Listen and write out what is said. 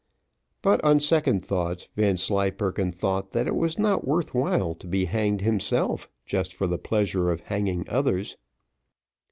But on second thoughts, Vanslyperken thought that it was not worth while to be hanged himself, just for the pleasure of hanging others.